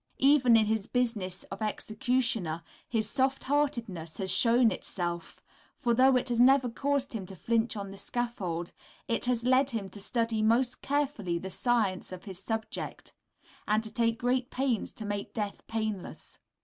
Even in his business as executioner his soft heartedness has shown itself, for though it has never caused him to flinch on the scaffold, it has led him to study most carefully the science of his subject, and to take great pains to make death painless.